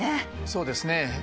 そうですね。